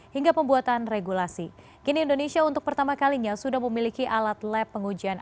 hingga pembuatan regulasi kini indonesia untuk pertama kalinya sudah memiliki alat lab pengujian